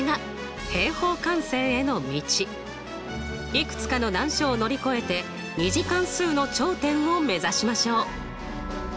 いくつかの難所を乗り越えて２次関数の頂点を目指しましょう！